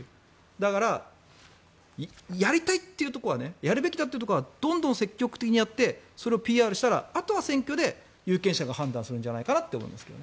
だから、やりたいっていうやるべきところはどんどん積極的にやってそれをＰＲしたら、あとは選挙で有権者が判断すればいいんじゃないかなと思います。